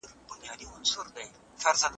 د انسان ارزښت د هغه په فکر کي دی.